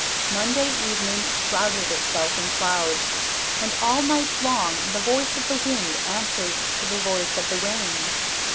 Monday evening shrouded itself in clouds, and all night long the voice of the wind answered to the voice of the rain.